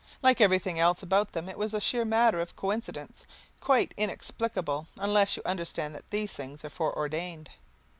Like everything else about them, it was a sheer matter of coincidence, quite inexplicable unless you understand that these things are fore ordained.